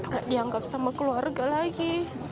gak dianggap sama keluarga lagi